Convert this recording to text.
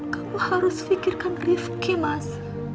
kamu harus pikirkan rifki mas